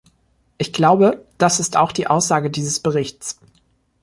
Ich glaube, das ist auch die Aussage dieses Berichts.